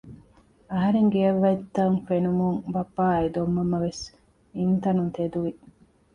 އަހަރެން ގެއަށް ވަތްތަން ފެނުމުން ބައްޕަ އާއި ދޮންމަންމަވެސް އިންތަނުން ތެދުވި